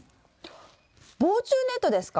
防虫ネットですか？